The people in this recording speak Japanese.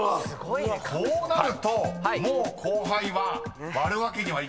［こうなるともう後輩は割るわけにはいかないですよね］